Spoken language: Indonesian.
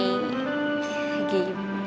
ini kan apa boleh